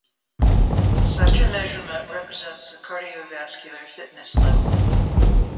Such a measurement represents a cardiovascular fitness level.